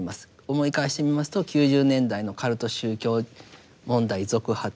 思い返してみますと９０年代のカルト宗教問題続発